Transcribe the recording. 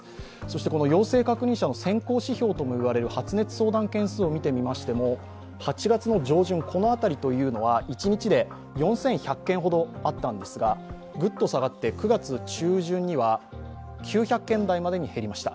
この陽性確認者の先行指標ともいわれる発熱相談件数を見てみましても、８月上旬辺りというのは一日で４１００件ほどあったんですがぐっと佐賀って９月中旬には９００件台にまで減りました。